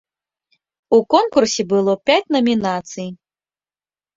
У конкурсе было пяць намінацый.